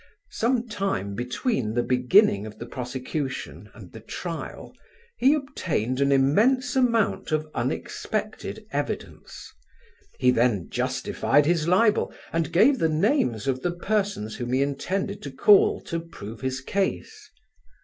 Some time between the beginning of the prosecution and the trial, he obtained an immense amount of unexpected evidence. He then justified his libel and gave the names of the persons whom he intended to call to prove his case.